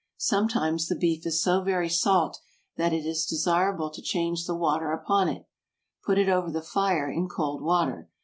Sometimes the beef is so very salt that it is desirable to change the water upon it. Put it over the fire in cold water.